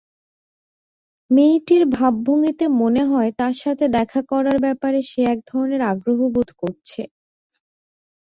মেয়েটির ভাবভঙ্গিতে মনে হয় তাঁর সঙ্গে দেখা করার ব্যাপারে সে এক ধরনের আগ্রহবোধ করছে।